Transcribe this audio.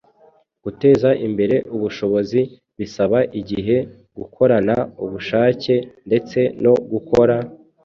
guteza imbere ubushobozi bisaba igihe, gukorana ubushake ndetse no gukora,